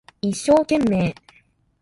一生懸命